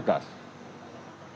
oke apa melihat